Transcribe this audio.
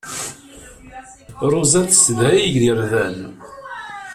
Ṛuza tessedhay igerdan.